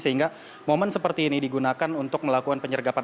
sehingga momen seperti ini digunakan untuk melakukan penyergapan